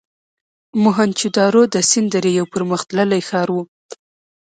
موهنچودارو د سند درې یو پرمختللی ښار و.